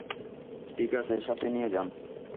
ঠিক আছে, সাথে নিয়ে যান।